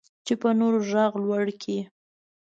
چې په نورو غږ لوړ کړي.